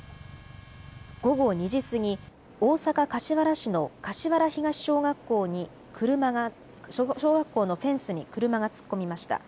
午後２時過ぎ、大阪柏原市の柏原東小学校のフェンスに車が突っ込みました。